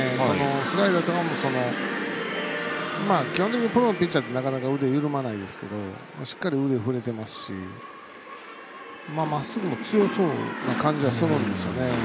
スライダーの球も基本的にプロのピッチャーって腕緩まないですけどしっかり腕を振れてますしまっすぐも強そうな感じはするんですよね。